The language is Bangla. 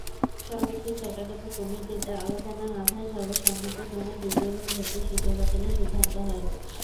সর্বশেষ একাডেমিক কমিটিতে আলোচনার মাধ্যমে সর্বসম্মতিক্রমে দ্বিতীয়বার ভর্তির সুযোগ বাতিলের সিদ্ধান্ত হয়।